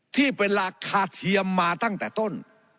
ที่เป็นราคาเทียมมาตั้งแต่ต้น